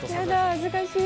恥ずかしい。